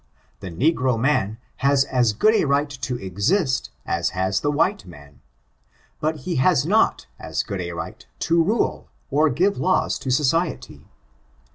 The negro man has as good a right to exist as has the white man : but he has not as good a right to rule or give laws to society.